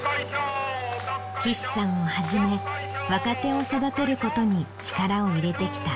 貴志さんをはじめ若手を育てることに力を入れてきた鈴木さん。